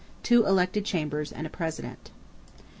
_, two elected chambers and a president."